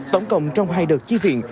tổng cộng trong hai đợt tri viện